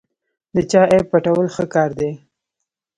د چا عیب پټول ښه کار دی.